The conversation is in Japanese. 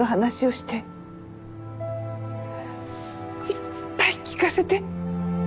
いっぱい聞かせて。